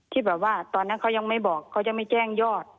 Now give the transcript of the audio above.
ที่แบบว่าตอนนั้นเขายังไม่บอกเขาจะไม่แจ้งยอด